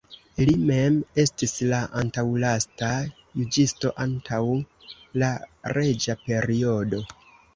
Li mem estis la antaŭlasta juĝisto antaŭ la reĝa periodo.